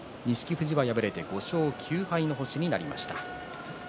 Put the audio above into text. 富士は敗れて５勝９敗の星になりました。